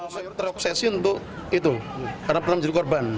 saya terobsesi untuk itu karena pernah menjadi korban